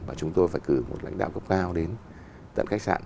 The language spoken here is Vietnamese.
và chúng tôi phải cử một lãnh đạo cấp cao đến tận khách sạn